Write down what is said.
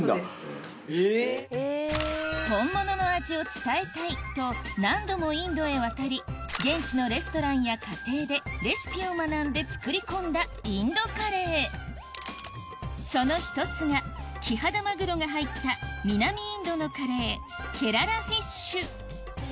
本物の味を伝えたい！と何度もインドへ渡り現地のレストランや家庭でレシピを学んで作り込んだインドカレーその１つがキハダマグロが入った南インドのカレー